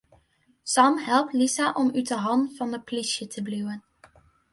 Sam helpt Lisa om út 'e hannen fan de polysje te bliuwen.